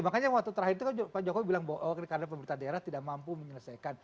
makanya waktu terakhir itu kan pak jokowi bilang bahwa karena pemerintah daerah tidak mampu menyelesaikan